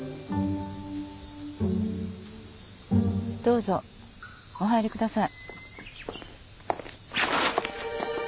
どうぞお入り下さい。